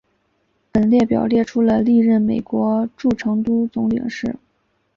本列表列出了历任美国驻成都总领事。